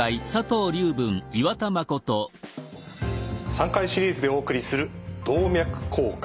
３回シリーズでお送りする「動脈硬化」。